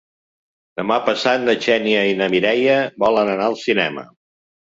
Demà passat na Xènia i na Mireia volen anar al cinema.